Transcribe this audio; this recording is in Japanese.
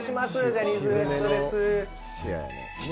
ジャニーズＷＥＳＴです